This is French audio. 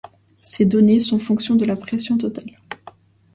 Ces données sont fonction de la pression totale.